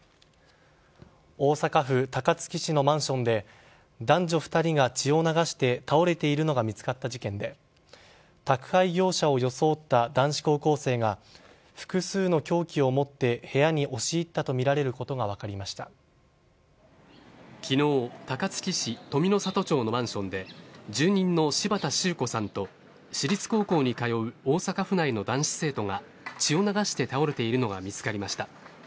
大阪府高槻市のマンションで男女２人が血を流して倒れているのが見つかった事件で宅配業者を装った男子高校生が複数の凶器を持って部屋に押し入ったとみられることが昨日、高槻市登美の里町のマンションで住人の柴田周子さんと私立高校に通う大阪府内の男子生徒が血を流して倒れているのが見つかりました。